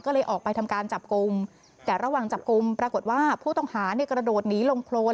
ก็เลยออกไปทำการจับกลุ่มแต่ระหว่างจับกลุ่มปรากฏว่าผู้ต้องหาเนี่ยกระโดดหนีลงโครน